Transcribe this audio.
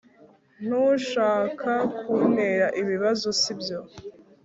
ntushaka kuntera ibibazo, sibyo